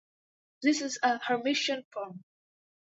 This is a Hermitian form.